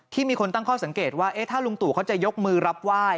มีคนตั้งข้อสังเกตว่าถ้าลุงตู่เขาจะยกมือรับไหว้